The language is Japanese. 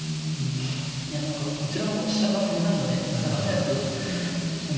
いや何かこちらも飛車が狭いので早くうん